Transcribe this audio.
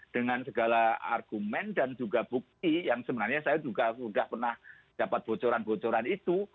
dengan segala argumen dan juga bukti yang sebenarnya saya juga sudah pernah dapat bocoran bocoran itu